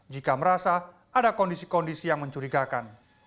jika merasa ada kondisi kondisi yang mencurigakan